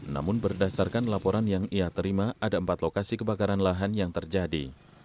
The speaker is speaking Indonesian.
namun berdasarkan laporan yang ia terima ada empat lokasi kebakaran lahan yang terjadi